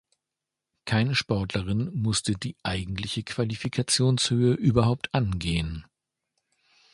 Keine Sportlerin musste die eigentliche Qualifikationshöhe überhaupt angehen.